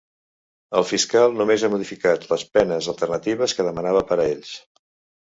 El fiscal només ha modificat les penes alternatives que demanava per a ells.